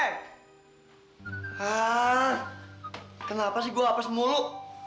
hah kenapa sih gua apes mulu